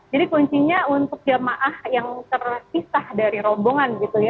jadi kuncinya untuk jamaah yang terpisah dari rombongan